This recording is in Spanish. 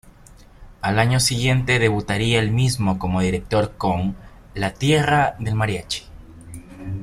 Al año siguiente debutaría el mismo como director con "La tierra del mariachi".